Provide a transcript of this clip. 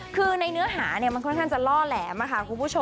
คือในเนื้อหาเนี่ยมันค่อนข้างจะล่อแหลมค่ะ